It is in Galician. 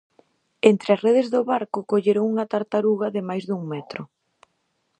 Entre as redes do barco colleron unha tartaruga de máis dun metro.